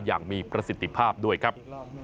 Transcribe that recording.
อย่างมีประสิทธิภาพด้วยครับ